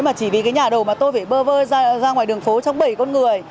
mà chỉ vì cái nhà đầu mà tôi phải bơ vơ ra ngoài đường phố trong bảy con người